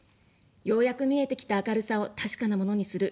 ようやく見えてきた明るさを確かなものにする。